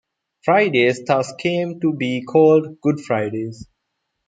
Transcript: Fridays thus came to be called Good Fridays.